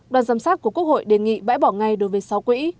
đoàn giám sát của quốc hội đề nghị bãi bỏ ngay đối với sáu quỹ